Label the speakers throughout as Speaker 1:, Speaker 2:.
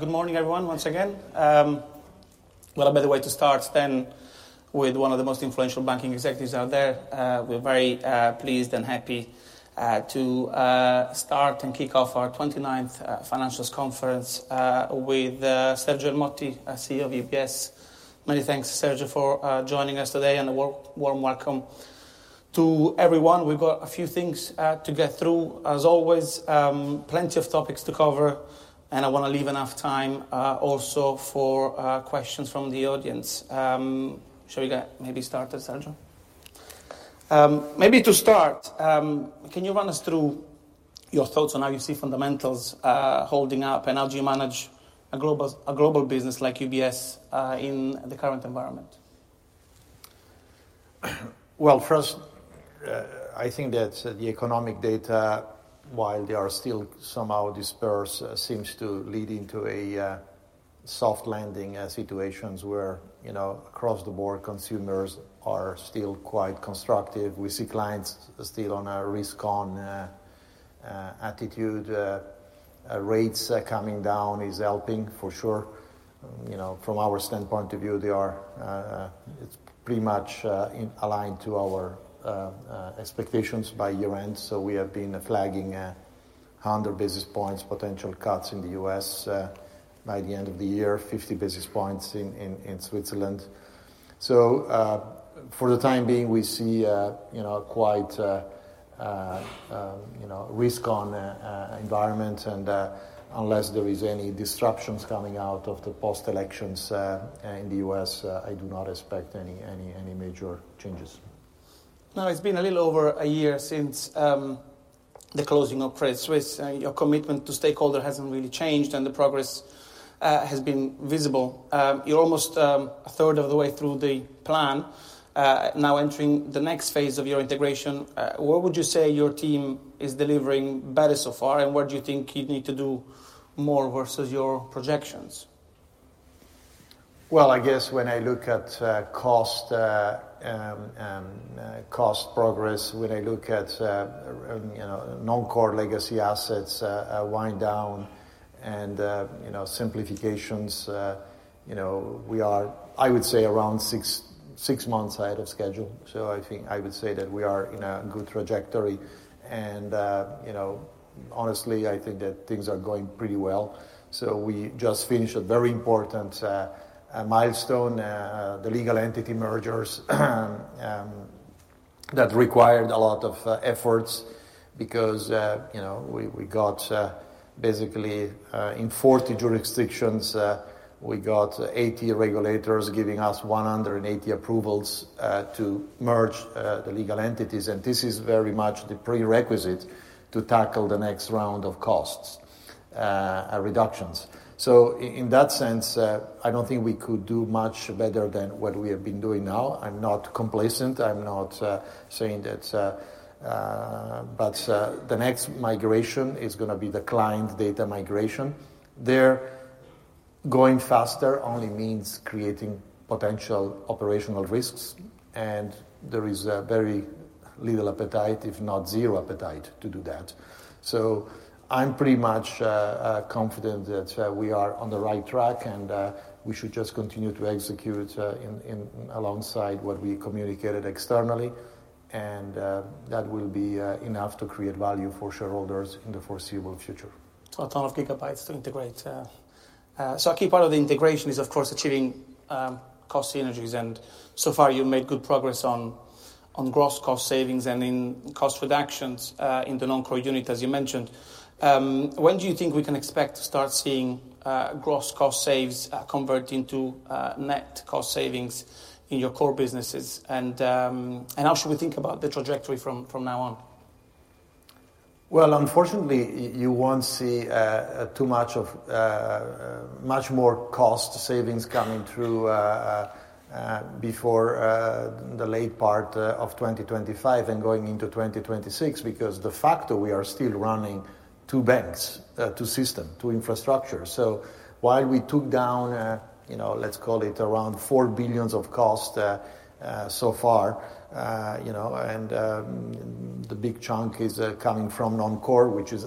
Speaker 1: Good morning, everyone, once again. What a better way to start than with one of the most influential banking executives out there? We're very pleased and happy to start and kick off our twenty-ninth financials conference with Sergio Ermotti, CEO of UBS. Many thanks to Sergio for joining us today, and a warm, warm welcome to everyone. We've got a few things to get through. As always, plenty of topics to cover, and I want to leave enough time also for questions from the audience. Shall we get maybe started, Sergio? Maybe to start, can you run us through your thoughts on how you see fundamentals holding up, and how do you manage a global business like UBS in the current environment?
Speaker 2: First, I think that the economic data, while they are still somehow dispersed, seems to lead into a soft landing situations where, you know, across the board, consumers are still quite constructive. We see clients still on a risk-on attitude. Rates coming down is helping for sure. You know, from our standpoint of view, they are, it's pretty much in aligned to our expectations by year-end. So we have been flagging 100 basis points potential cuts in the U.S. by the end of the year, 50 basis points in Switzerland. So, for the time being, we see, you know, quite, you know, risk-on environment, and unless there is any disruptions coming out of the post-elections in the US, I do not expect any major changes.
Speaker 1: Now, it's been a little over a year since the closing of Credit Suisse. Your commitment to stakeholders hasn't really changed, and the progress has been visible. You're almost a third of the way through the plan, now entering the next phase of your integration. What would you say your team is delivering better so far, and what do you think you need to do more versus your projections?
Speaker 2: I guess when I look at cost progress, when I look at you know, Non-Core legacy assets wind down and you know, simplifications you know, we are, I would say, around six months ahead of schedule. So I think I would say that we are in a good trajectory, and you know, honestly, I think that things are going pretty well. So we just finished a very important milestone, the legal entity mergers that required a lot of efforts because you know, we got basically in 40 jurisdictions we got 80 regulators giving us 180 approvals to merge the legal entities. This is very much the prerequisite to tackle the next round of cost reductions. In that sense, I don't think we could do much better than what we have been doing now. I'm not complacent. I'm not saying that, but the next migration is going to be the client data migration. Going faster only means creating potential operational risks, and there is very little appetite, if not zero appetite, to do that, so I'm pretty much confident that we are on the right track, and we should just continue to execute alongside what we communicated externally, and that will be enough to create value for shareholders in the foreseeable future.
Speaker 1: It's a ton of gigabytes to integrate. So a key part of the integration is, of course, achieving cost synergies, and so far you've made good progress on gross cost savings and in cost reductions in the Non-Core unit, as you mentioned. When do you think we can expect to start seeing gross cost saves convert into net cost savings in your core businesses? And how should we think about the trajectory from now on?
Speaker 2: Well, unfortunately, you won't see too much of much more cost savings coming through before the late part of twenty twenty-five and going into twenty twenty-six, because de facto, we are still running two banks, two system, two infrastructure. So while we took down, you know, let's call it around 4 billions of cost so far, you know, and the big chunk is coming from Non-Core, which is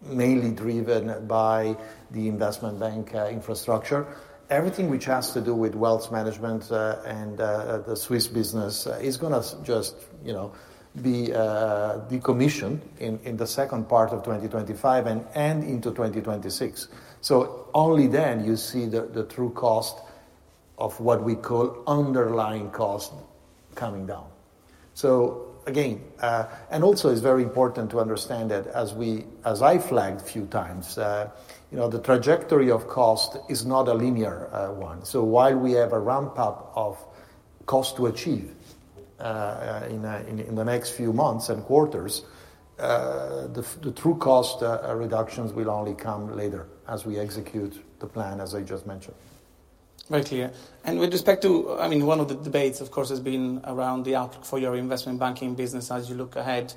Speaker 2: mainly driven by the investment bank infrastructure. Everything which has to do with wealth management and the Swiss business is going to just, you know, be decommissioned in the second part of 2025 and into 2026. So only then you see the true cost of what we call underlying cost coming down. So again... Also, it's very important to understand that as I flagged a few times, you know, the trajectory of cost is not a linear one. So while we have a ramp-up of cost to achieve in the next few months and quarters, the true cost reductions will only come later as we execute the plan, as I just mentioned.
Speaker 1: Very clear and with respect to, I mean, one of the debates, of course, has been around the outlook for your investment banking business. As you look ahead,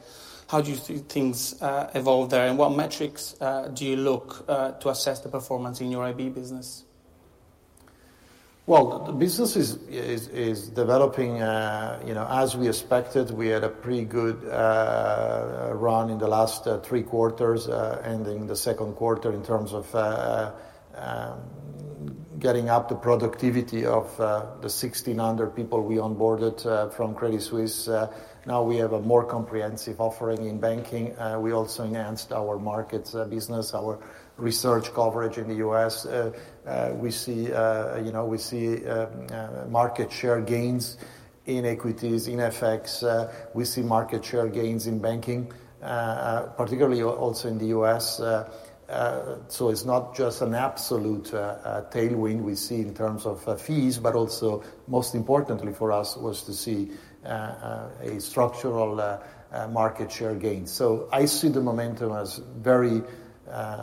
Speaker 1: how do you see things evolve there, and what metrics do you look to assess the performance in your IB business?
Speaker 2: The business is developing, you know, as we expected. We had a pretty good run in the last three quarters, ending the second quarter in terms of getting up the productivity of the sixteen hundred people we onboarded from Credit Suisse. Now we have a more comprehensive offering in banking. We also enhanced our markets business, our research coverage in the U.S. We see, you know, market share gains in equities, in FX. We see market share gains in banking, particularly also in the U.S. So it's not just an absolute tailwind we see in terms of fees, but also most importantly for us was to see a structural market share gain. So I see the momentum as very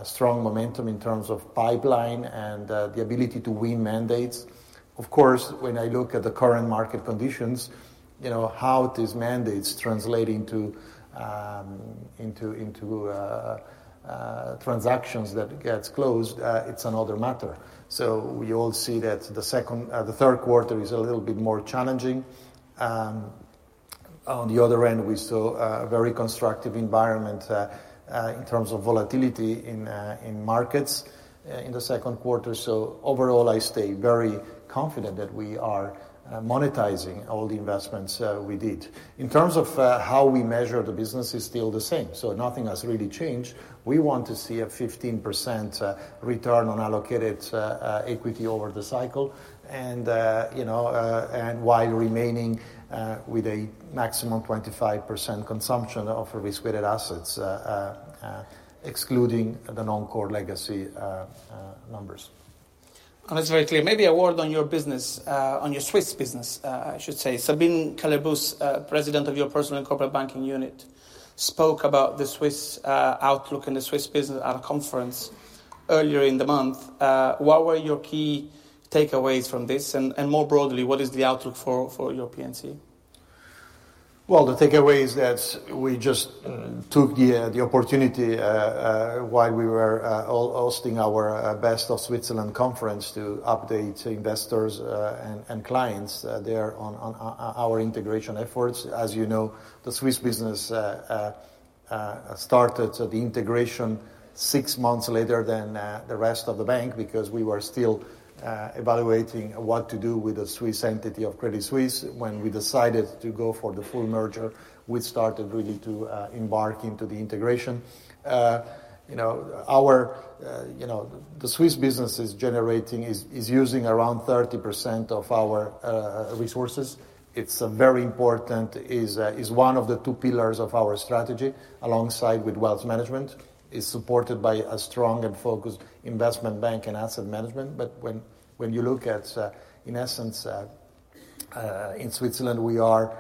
Speaker 2: strong momentum in terms of pipeline and the ability to win mandates. Of course, when I look at the current market conditions, you know, how these mandates translate into transactions that gets closed, it's another matter. So we all see that the second, the third quarter is a little bit more challenging. On the other end, we saw a very constructive environment in terms of volatility in markets in the second quarter. So overall, I stay very confident that we are monetizing all the investments we did. In terms of how we measure the business, is still the same, so nothing has really changed. We want to see a 15% return on allocated equity over the cycle, and you know while remaining with a maximum 25% consumption of risk-weighted assets, excluding the Non-Core legacy numbers.
Speaker 1: That's very clear. Maybe a word on your business, on your Swiss business, I should say. Sabine Keller-Busse, President of your Personal and Corporate Banking unit, spoke about the Swiss outlook and the Swiss business at a conference earlier in the month. What were your key takeaways from this? And more broadly, what is the outlook for your P&C?
Speaker 2: The takeaway is that we just took the opportunity while we were all hosting our Best of Switzerland conference to update investors and clients there on our integration efforts. As you know, the Swiss business started the integration six months later than the rest of the bank, because we were still evaluating what to do with the Swiss entity of Credit Suisse. When we decided to go for the full merger, we started really to embark into the integration. You know, our... You know, the Swiss business is generating, is using around 30% of our resources. It's a very important is one of the two pillars of our strategy, alongside with wealth management, is supported by a strong and focused investment bank and asset management. But when you look at, in essence, in Switzerland, we are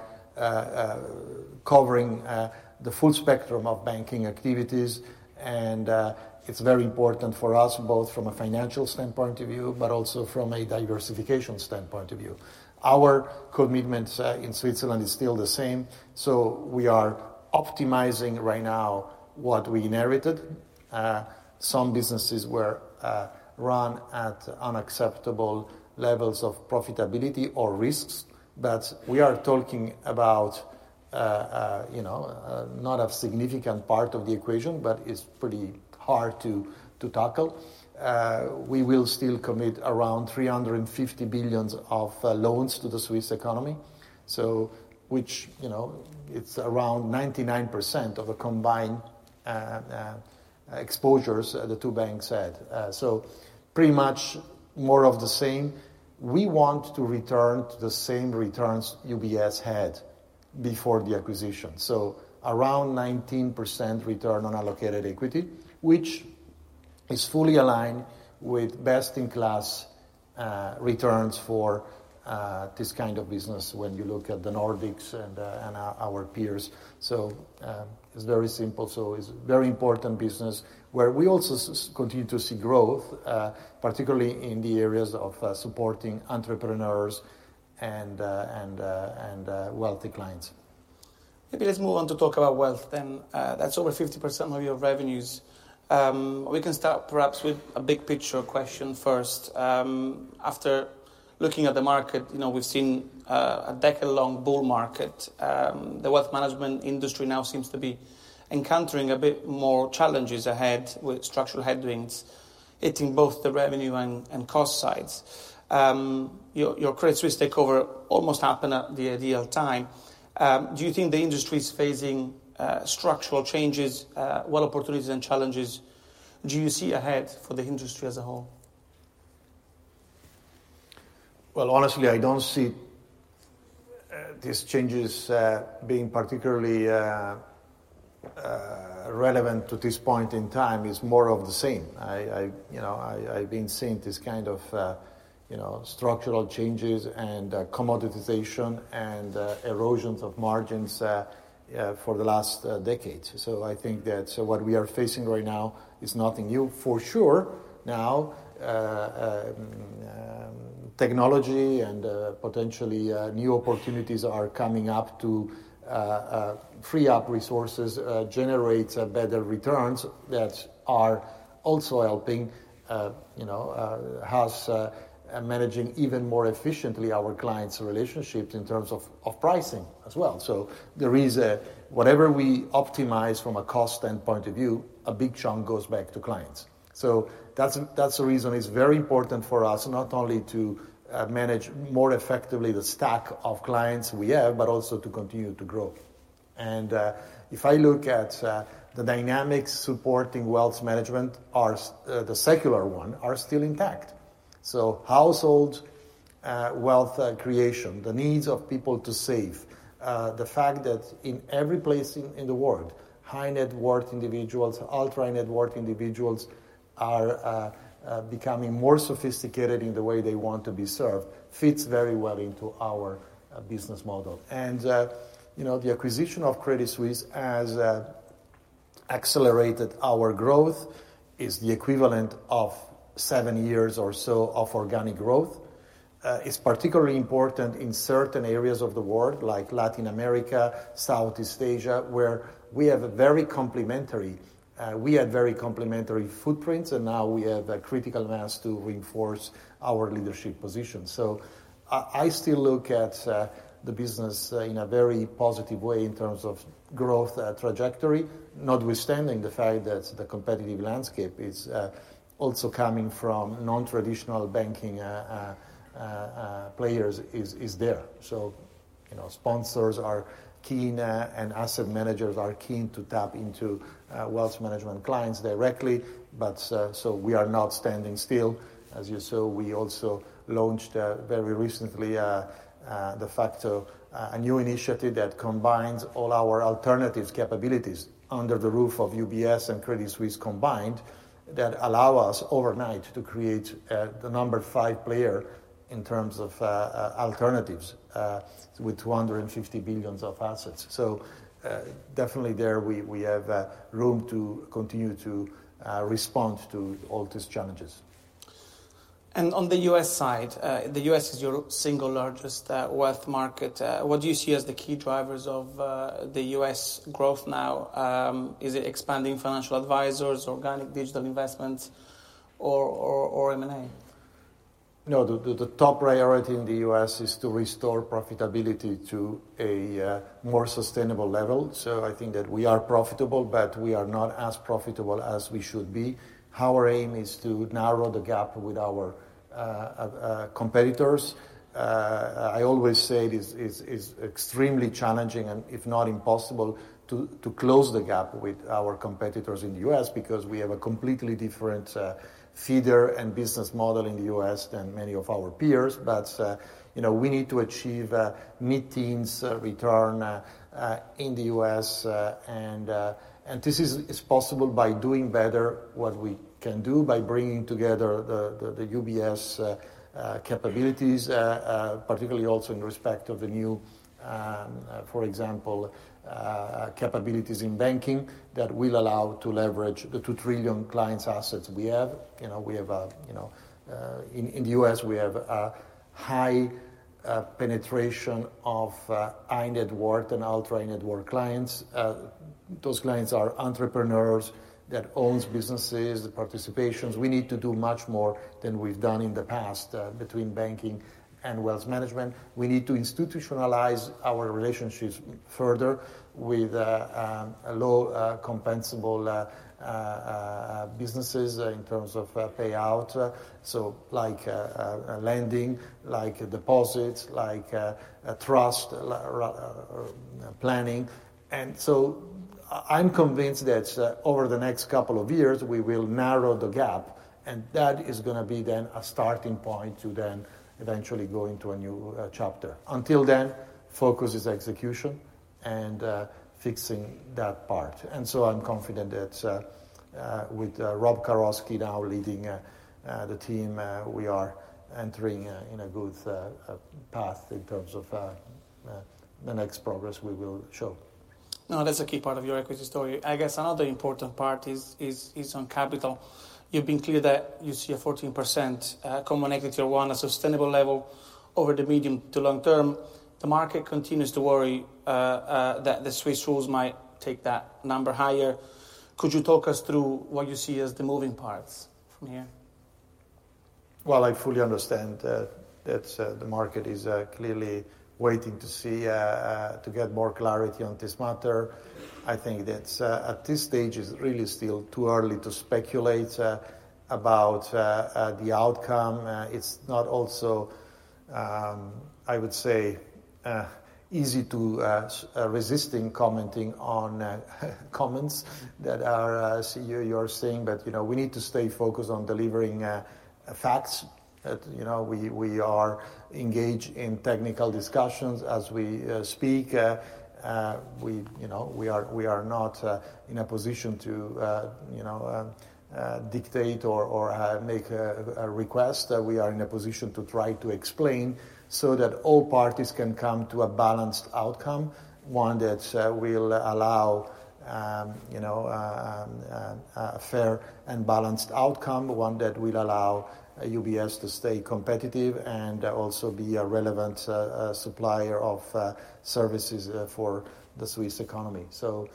Speaker 2: covering the full spectrum of banking activities, and it's very important for us, both from a financial standpoint of view, but also from a diversification standpoint of view. Our commitment in Switzerland is still the same, so we are optimizing right now what we inherited. Some businesses were run at unacceptable levels of profitability or risks, but we are talking about, you know, not a significant part of the equation, but it's pretty hard to tackle. We will still commit around 350 billion of loans to the Swiss economy, so which, you know, it's around 99% of the combined exposures the two banks had. So pretty much more of the same. We want to return to the same returns UBS had before the acquisition, so around 19% return on allocated equity, which is fully aligned with best-in-class returns for this kind of business when you look at the Nordics and our peers. So it's very simple. So it's very important business, where we also continue to see growth, particularly in the areas of supporting entrepreneurs and wealthy clients.
Speaker 1: Maybe let's move on to talk about wealth then. That's over 50% of your revenues. We can start perhaps with a big picture question first. After looking at the market, you know, we've seen a decade-long bull market. The wealth management industry now seems to be encountering a bit more challenges ahead, with structural headwinds hitting both the revenue and, and cost sides. Your Credit Suisse takeover almost happened at the ideal time. Do you think the industry is facing structural changes? What opportunities and challenges do you see ahead for the industry as a whole?
Speaker 2: Honestly, I don't see these changes being particularly relevant to this point in time. It's more of the same. You know, I've been seeing this kind of structural changes and commoditization and erosions of margins for the last decades. So I think that what we are facing right now is nothing new. For sure, now technology and potentially new opportunities are coming up to free up resources, generate better returns that are also helping, you know, us managing even more efficiently our clients' relationships in terms of pricing as well. So whatever we optimize from a cost standpoint of view, a big chunk goes back to clients. So that's the reason it's very important for us, not only to manage more effectively the stack of clients we have, but also to continue to grow. And if I look at the dynamics supporting wealth management, the secular one, are still intact. So household wealth creation, the needs of people to save, the fact that in every place in the world, high-net-worth individuals, ultra-high-net-worth individuals are becoming more sophisticated in the way they want to be served, fits very well into our business model. And you know, the acquisition of Credit Suisse has accelerated our growth, is the equivalent of seven years or so of organic growth. It's particularly important in certain areas of the world, like Latin America, Southeast Asia, where we have a very complementary footprint. We had very complementary footprints, and now we have a critical mass to reinforce our leadership position. I still look at the business in a very positive way in terms of growth trajectory, notwithstanding the fact that the competitive landscape is also coming from non-traditional banking players. It is there. You know, sponsors are keen, and asset managers are keen to tap into wealth management clients directly, but so we are not standing still. As you saw, we also launched very recently de facto a new initiative that combines all our alternatives capabilities under the roof of UBS and Credit Suisse combined, that allow us overnight to create the number five player in terms of alternatives with 250 billion of assets. So definitely there we have room to continue to respond to all these challenges.
Speaker 1: On the U.S. side, the U.S. is your single largest wealth market. What do you see as the key drivers of the U.S. growth now? Is it expanding financial advisors, organic digital investments, or M&A?
Speaker 2: No, the top priority in the U.S. is to restore profitability to a more sustainable level. So I think that we are profitable, but we are not as profitable as we should be. Our aim is to narrow the gap with our competitors. I always say it is extremely challenging, and if not impossible, to close the gap with our competitors in the U.S. because we have a completely different feeder and business model in the U.S. than many of our peers. But, you know, we need to achieve a mid-teens return in the U.S., and this is possible by doing better what we can do by bringing together the UBS capabilities, particularly also in respect of the new, for example, capabilities in banking, that will allow to leverage the two trillion clients' assets we have. You know, we have, you know, in the U.S., we have a high penetration of high-net-worth and ultra-high-net-worth clients. Those clients are entrepreneurs that owns businesses, participations. We need to do much more than we've done in the past between banking and wealth management. We need to institutionalize our relationships further with a low compensable businesses in terms of payout, so like lending, like deposits, like trust planning. And so I'm convinced that over the next couple of years, we will narrow the gap, and that is going to be then a starting point to then eventually go into a new chapter. Until then, focus is execution and fixing that part. And so I'm confident that with Rob Karofsky now leading the team, we are entering in a good path in terms of the next progress we will show.
Speaker 1: No, that's a key part of your equity story. I guess another important part is on capital. You've been clear that you see a 14% Common Equity Tier 1, a sustainable level over the medium to long term. The market continues to worry that the Swiss rules might take that number higher. Could you talk us through what you see as the moving parts from here?
Speaker 2: Well, I fully understand that the market is clearly waiting to see to get more clarity on this matter. I think that at this stage, it's really still too early to speculate about the outcome. It's not also, I would say, easy to resist in commenting on comments that are, as you're saying, but, you know, we need to stay focused on delivering facts. You know, we are engaged in technical discussions as we speak. You know, we are not in a position to you know dictate or make a request. We are in a position to try to explain so that all parties can come to a balanced outcome, one that will allow, you know, a fair and balanced outcome, one that will allow UBS to stay competitive and also be a relevant supplier of services for the Swiss economy. So,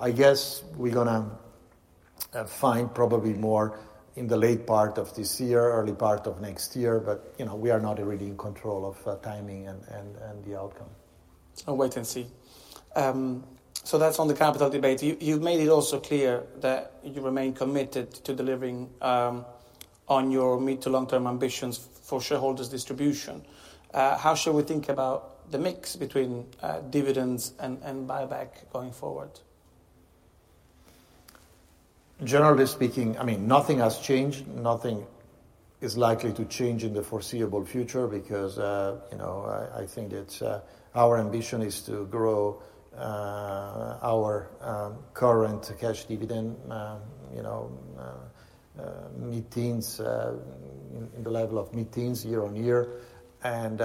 Speaker 2: I guess we're going to find probably more in the late part of this year, early part of next year. But, you know, we are not really in control of timing and the outcome.
Speaker 1: I'll wait and see. So that's on the capital debate. You made it also clear that you remain committed to delivering on your mid- to long-term ambitions for shareholders' distribution. How should we think about the mix between dividends and buyback going forward?
Speaker 2: Generally speaking, I mean, nothing has changed. Nothing is likely to change in the foreseeable future because, you know, I think it's our ambition is to grow our current cash dividend, you know, mid-teens, the level of mid-teens year on year, and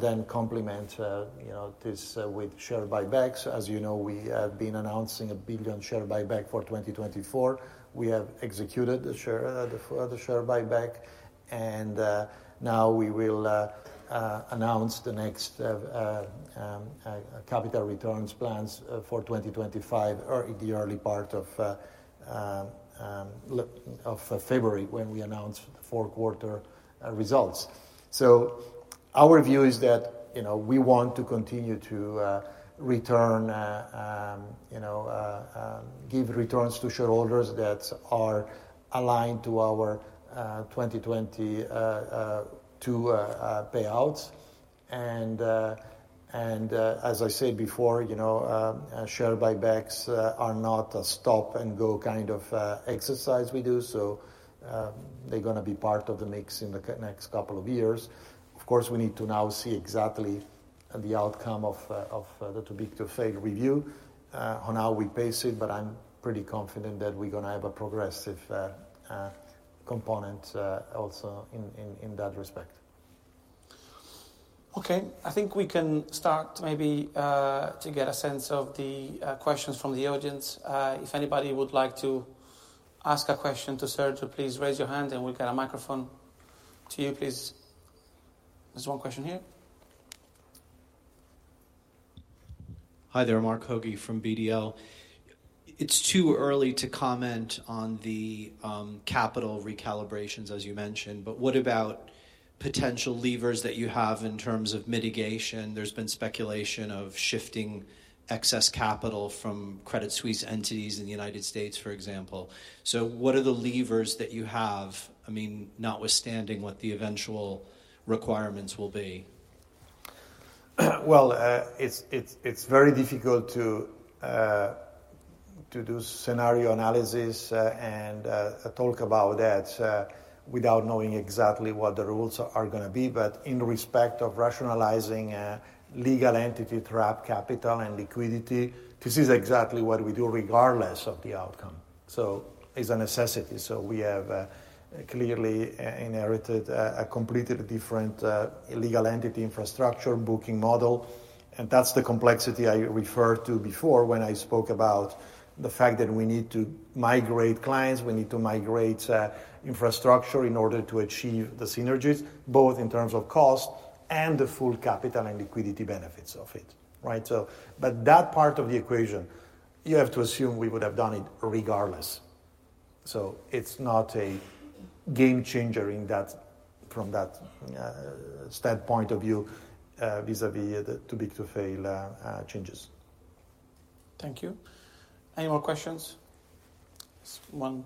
Speaker 2: then complement, you know, this, with share buybacks. As you know, we have been announcing a $1 billion share buyback for 2024. We have executed the share buyback, and now we will announce the next capital returns plans for 2025, or in the early part of late February, when we announce the fourth quarter results. So our view is that, you know, we want to continue to give returns to shareholders that are aligned to our 2022 payouts. And as I said before, you know, share buybacks are not a stop-and-go kind of exercise we do, so they're gonna be part of the mix in the next couple of years. Of course, we need to now see exactly the outcome of the Too Big to Fail review on how we pace it, but I'm pretty confident that we're gonna have a progressive component also in that respect.
Speaker 1: Okay. I think we can start maybe to get a sense of the questions from the audience. If anybody would like to ask a question to Sergio, please raise your hand and we'll get a microphone to you, please. There's one question here.
Speaker 3: Hi there, Marc Hogue from BDL. It's too early to comment on the capital recalibrations, as you mentioned, but what about potential levers that you have in terms of mitigation? There's been speculation of shifting excess capital from Credit Suisse entities in the United States, for example. So what are the levers that you have? I mean, notwithstanding what the eventual requirements will be.
Speaker 2: It's very difficult to do scenario analysis and talk about that without knowing exactly what the rules are gonna be. But in respect of rationalizing legal entity trapped capital and liquidity, this is exactly what we do, regardless of the outcome. It's a necessity. We have clearly inherited a completely different legal entity infrastructure booking model, and that's the complexity I referred to before when I spoke about the fact that we need to migrate clients, we need to migrate infrastructure in order to achieve the synergies, both in terms of cost and the full capital and liquidity benefits of it, right? But that part of the equation, you have to assume we would have done it regardless. It's not a game changer in that, from that, standpoint of view, vis-à-vis the Too Big to Fail changes.
Speaker 1: Thank you. Any more questions? There's one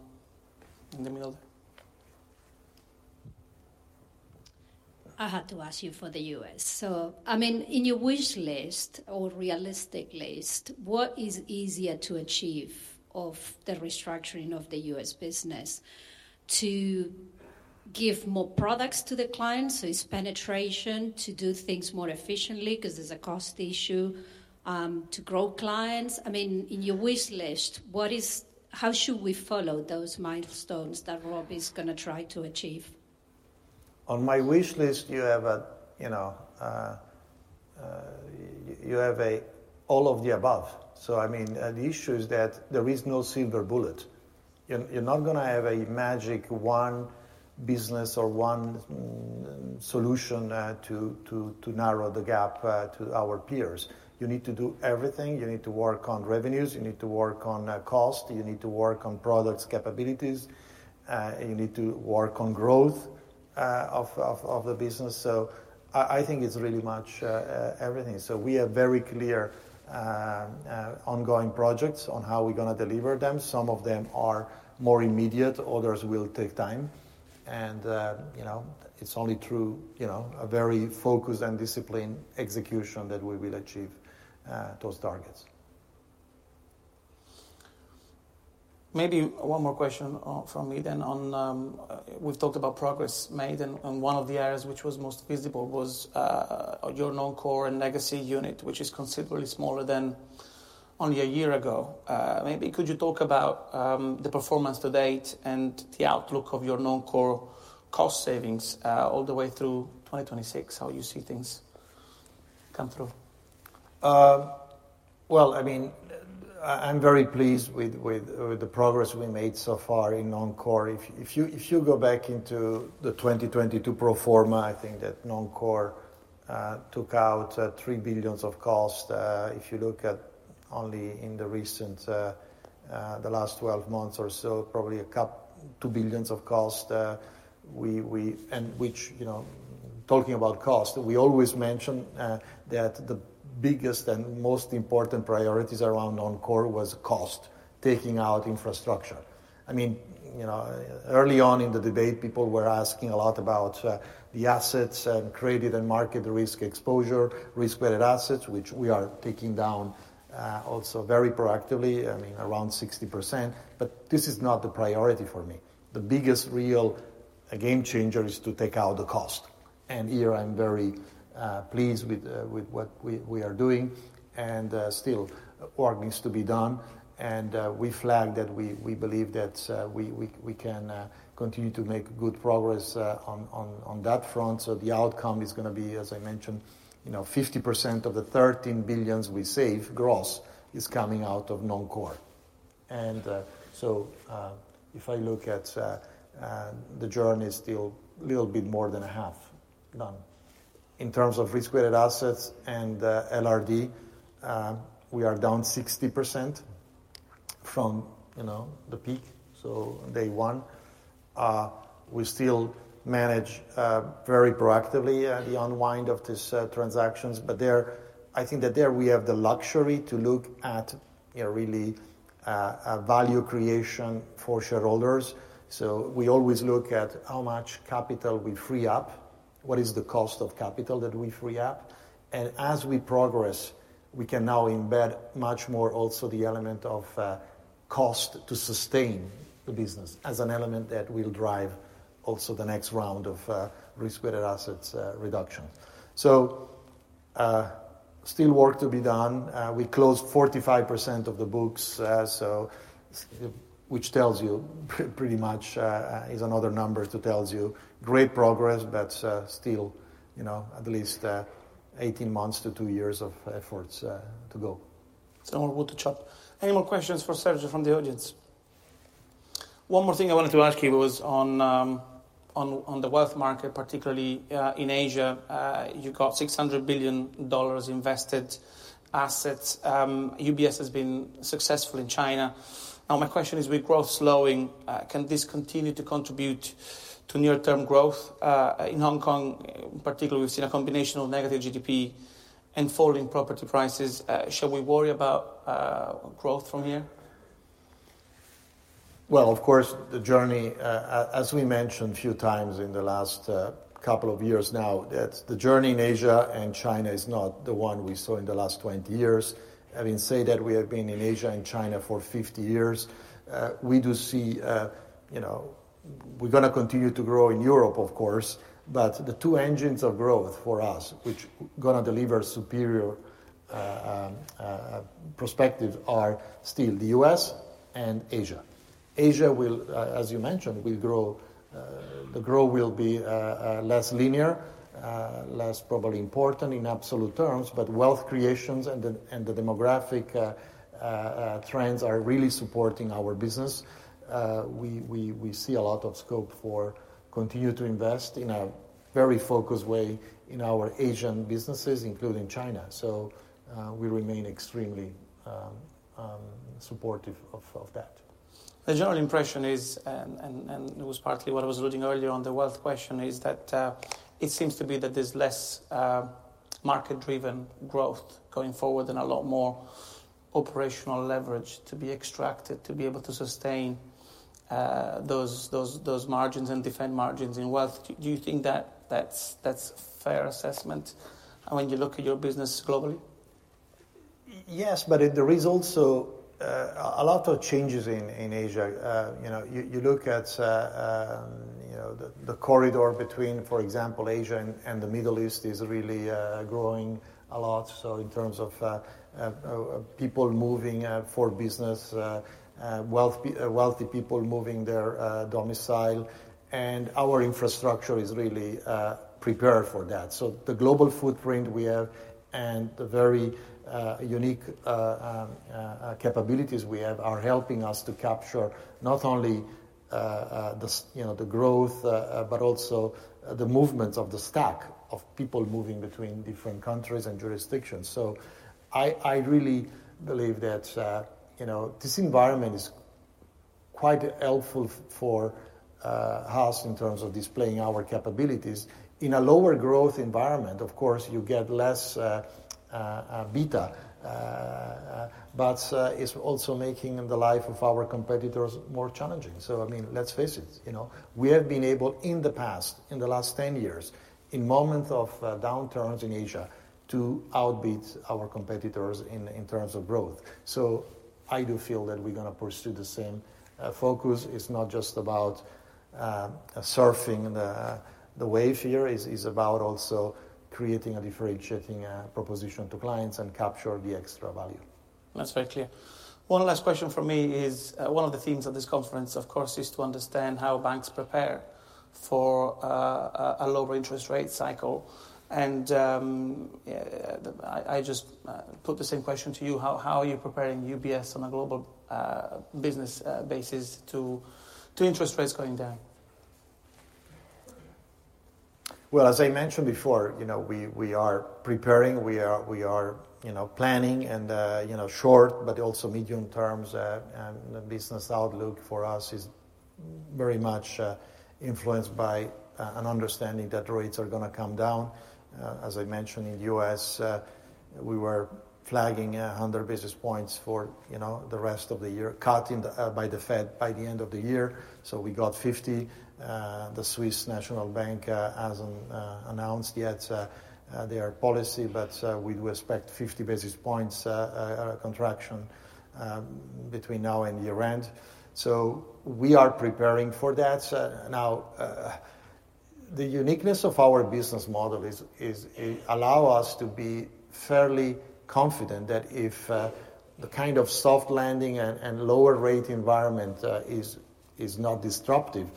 Speaker 1: in the middle there. I had to ask you for the U.S. So, I mean, in your wish list or realistic list, what is easier to achieve of the restructuring of the U.S. business? To give more products to the clients, so it's penetration, to do things more efficiently, 'cause there's a cost issue, to grow clients? I mean, in your wish list, what is, how should we follow those milestones that Rob is gonna try to achieve?
Speaker 2: On my wish list, you have, you know, all of the above. So I mean, the issue is that there is no silver bullet. You're not gonna have a magic one business or one solution to narrow the gap to our peers. You need to do everything. You need to work on revenues, you need to work on cost, you need to work on products' capabilities, you need to work on growth of the business. So I think it's really much everything. So we are very clear ongoing projects on how we're gonna deliver them. Some of them are more immediate, others will take time and, you know, it's only through, you know, a very focused and disciplined execution that we will achieve those targets.
Speaker 1: Maybe one more question from me then on. We've talked about progress made and one of the areas which was most visible was your Non-Core and Legacy unit, which is considerably smaller than only a year ago. Maybe could you talk about the performance to date and the outlook of your Non-Core cost savings all the way through 2026? How you see things come through.
Speaker 2: Well, I mean, I'm very pleased with the progress we made so far in Non-Core. If you go back into the 2022 pro forma, I think that Non-Core took out 3 billions of cost. If you look at only in the recent, the last 12 months or so, probably 2 billions of cost, we. And which, you know, talking about cost, we always mention that the biggest and most important priorities around Non-Core was cost, taking out infrastructure. I mean, you know, early on in the debate, people were asking a lot about the assets and credit and market risk exposure, risk-weighted assets, which we are taking down also very proactively, I mean, around 60%, but this is not the priority for me. The biggest real game changer is to take out the cost, and here I'm very pleased with what we are doing, and still work needs to be done, and we flagged that we believe that we can continue to make good progress on that front, so the outcome is going to be, as I mentioned, you know, 50% of the 13 billion we save, gross, is coming out of Non-Core, and so if I look at the journey is still a little bit more than a half done. In terms of risk-weighted assets and LRD, we are down 60% from, you know, the peak, so day one. We still manage very proactively the unwind of these transactions, but there, I think that there, we have the luxury to look at, you know, really a value creation for shareholders. So we always look at how much capital we free up, what is the cost of capital that we free up? And as we progress, we can now embed much more also the element of cost to sustain the business as an element that will drive also the next round of risk-weighted assets reduction. So still work to be done. We closed 45% of the books, so which tells you pretty much is another number that tells you great progress, but still, you know, at least 18 months to two years of efforts to go.
Speaker 1: It's a lot of work to chop. Any more questions for Sergio from the audience? One more thing I wanted to ask you was on the wealth market, particularly in Asia. You got $600 billion invested assets. UBS has been successful in China. Now, my question is, with growth slowing, can this continue to contribute to near-term growth? In Hong Kong, particularly, we've seen a combination of negative GDP and falling property prices. Shall we worry about growth from here?
Speaker 2: Of course, the journey, as we mentioned a few times in the last couple of years now, that the journey in Asia and China is not the one we saw in the last twenty years. Having said that, we have been in Asia and China for fifty years. We do see, you know, we're going to continue to grow in Europe, of course, but the two engines of growth for us, which going to deliver superior perspective, are still the U.S. and Asia. Asia will, as you mentioned, will grow. The growth will be less linear, less probably important in absolute terms, but wealth creations and the demographic trends are really supporting our business. We see a lot of scope for continue to invest in a very focused way in our Asian businesses, including China. So, we remain extremely supportive of that.
Speaker 1: The general impression is, it was partly what I was alluding earlier on the wealth question, is that it seems to be that there's less market-driven growth going forward and a lot more operational leverage to be extracted, to be able to sustain those margins and defend margins in wealth. Do you think that that's a fair assessment when you look at your business globally?
Speaker 2: Yes, but there is also a lot of changes in Asia. You know, you look at the corridor between, for example, Asia and the Middle East is really growing a lot. So in terms of people moving for business, wealth, wealthy people moving their domicile, and our infrastructure is really prepared for that. So the global footprint we have and the very unique capabilities we have are helping us to capture not only you know, the growth, but also the movements of the stack of people moving between different countries and jurisdictions. So I really believe that, you know, this environment is quite helpful for us in terms of displaying our capabilities. In a lower growth environment, of course, you get less beta, but it's also making the life of our competitors more challenging, so I mean, let's face it, you know, we have been able, in the past, in the last ten years, in moments of downturns in Asia, to outbeat our competitors in terms of growth, so I do feel that we're going to pursue the same focus. It's not just about surfing the wave here. It's about also creating a differentiating proposition to clients and capture the extra value.
Speaker 1: That's very clear. One last question from me is one of the themes of this conference, of course, is to understand how banks prepare for a lower interest rate cycle. And, I just put the same question to you. How are you preparing UBS on a global business basis to interest rates going down?
Speaker 2: As I mentioned before, you know, we are preparing, we are planning and, you know, short, but also medium terms, and the business outlook for us is very much influenced by an understanding that rates are going to come down. As I mentioned, in U.S., we were flagging a hundred basis points for, you know, the rest of the year, cut in the by the Fed by the end of the year, so we got fifty. The Swiss National Bank hasn't announced yet their policy, but we do expect fifty basis points contraction between now and year-end. We are preparing for that. Now, the uniqueness of our business model is it allow us to be fairly confident that if the kind of soft landing and lower rate environment is not disruptive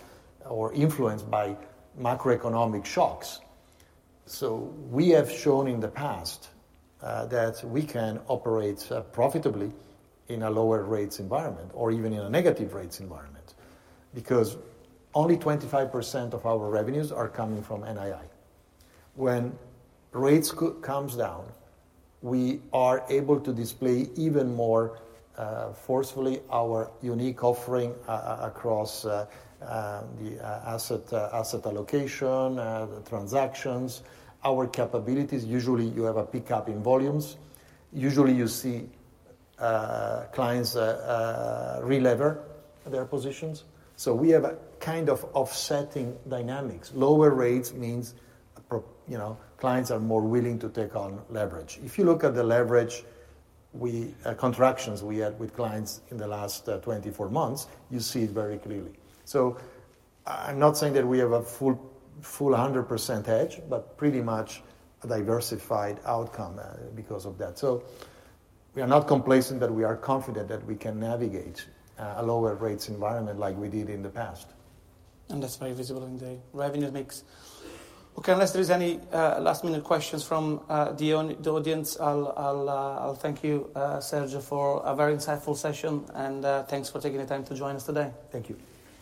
Speaker 2: or influenced by macroeconomic shocks, so we have shown in the past that we can operate profitably in a lower rates environment or even in a negative rates environment, because only 25% of our revenues are coming from NII. When rates comes down, we are able to display even more forcefully our unique offering across the asset allocation, the transactions, our capabilities. Usually, you have a pickup in volumes. Usually, you see clients re-lever their positions. So we have a kind of offsetting dynamics. Lower rates means you know, clients are more willing to take on leverage. If you look at the leverage contractions we had with clients in the last twenty-four months, you see it very clearly. So I'm not saying that we have a full, full 100% edge, but pretty much a diversified outcome because of that. So we are not complacent, but we are confident that we can navigate a lower rates environment like we did in the past.
Speaker 1: And that's very visible in the revenue mix. Okay, unless there is any last-minute questions from the audience, I'll thank you, Sergio, for a very insightful session, and thanks for taking the time to join us today.
Speaker 2: Thank you.